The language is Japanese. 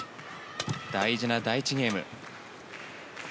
大事な第１ゲーム。